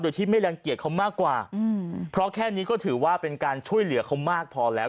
โดยที่ไม่รังเกียจเขามากกว่าเพราะแค่นี้ก็ถือว่าเป็นการช่วยเหลือเขามากพอแล้ว